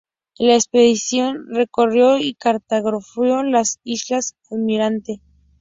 La expedición recorrió y cartografió las islas Almirante.